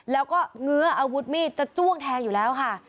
แล้วก็เงื้ออาวุธมีดจะจ้วงแทงอยู่แล้วค่ะ